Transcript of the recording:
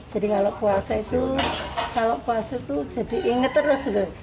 jadi kalau puasa itu jadi ingat terus